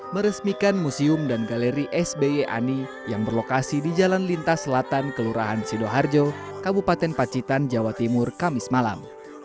meresmikan museum dan galeri sby ani yang berlokasi di jalan lintas selatan kelurahan sidoarjo kabupaten pacitan jawa timur kamis malam